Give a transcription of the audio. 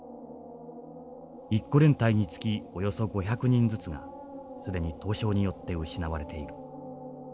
１個連隊につきおよそ５００人ずつが既に凍傷によって失われている。